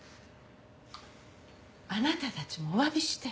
あなたたちもおわびして。